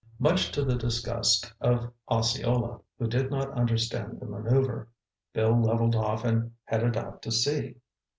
Much to the disgust of Osceola, who did not understand the manœuver, Bill levelled off and headed out to sea.